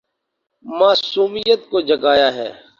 معصومیت کو جگایا ہے